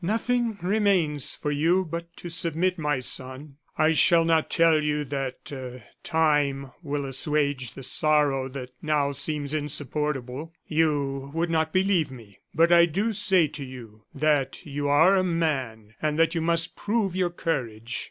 "Nothing remains for you but to submit, my son. I shall not tell you that time will assuage the sorrow that now seems insupportable you would not believe me. But I do say to you, that you are a man, and that you must prove your courage.